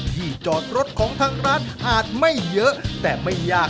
ที่จอดรถของทางร้านอาจไม่เยอะ